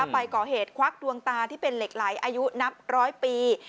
ไปก่อเหตุควักดวงตาที่เป็นเหล็กไหลอายุนับร้อยปี